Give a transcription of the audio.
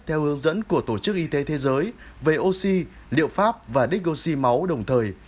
theo hướng dẫn của tổ chức y tế thế giới về oxy liệu pháp và đích oxy máu đồng thời